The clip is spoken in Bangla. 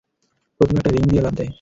প্রথমে একটা রিং দিয়ে লাফ দেয়।